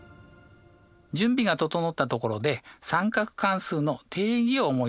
準備が整ったところで三角関数の定義を思い出してください。